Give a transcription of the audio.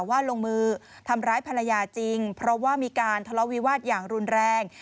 ลงมือทำร้ายภรรยาจริงเพราะว่ามีการทะเลาะวิวาสอย่างรุนแรง